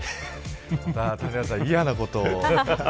谷原さん、嫌なことを。